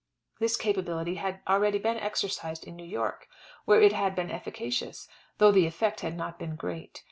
This capability had already been exercised in New York, where it had been efficacious, though the effect had not been great.